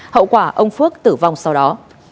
hậu quả ông phước tử vong sau đó